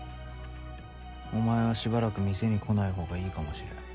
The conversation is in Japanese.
お前はしばらく店に来ない方がいいかもしれん。